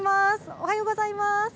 おはようございます。